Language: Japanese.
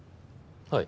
はい。